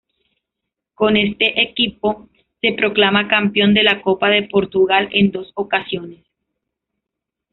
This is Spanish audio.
Con este equipo se proclama campeón de la Copa de Portugal en dos ocasiones.